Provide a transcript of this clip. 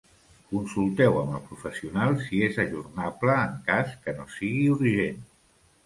Consulteu amb el professional si és ajornable en cas que no sigui urgent.